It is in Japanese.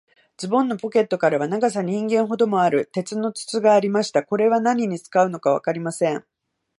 ズボンのポケットからは、長さ人間ほどもある、鉄の筒がありました。これは何に使うのかわかりません。